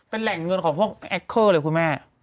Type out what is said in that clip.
เป็นแหล่งเงินของพวกแอคเคิลเลยคุณแม่